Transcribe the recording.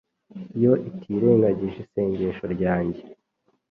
yo itirengagije isengesho ryanjye